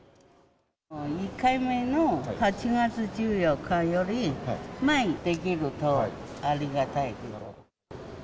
１回目の８月１４日より前にできるとありがたい。